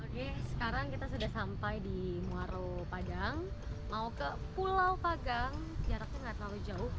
oke sekarang kita sudah sampai di muarau padang mau ke pulau pagang jaraknya nggak terlalu jauh